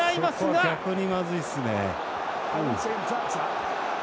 そこ、逆にまずいですね。